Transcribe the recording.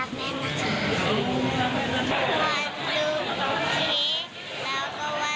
วันดูภูเขียนแล้วก็วันดูภูฟูแม่กับนิจนักและพี่โตและพ่อ